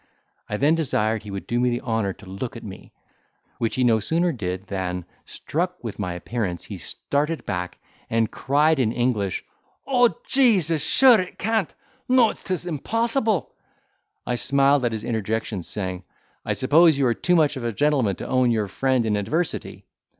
I then desired he would do me the honour to look at me, which he no sooner did than, struck with my appearance, he started back, and cried in English, "O Jesus!—sure it can't! No 'tis impossible!" I smiled at his interjections, saying, "I suppose you are too much of a gentleman to own your friend in adversity."